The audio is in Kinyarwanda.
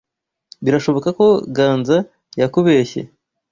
Birashoboka ko Ganza yakubeshye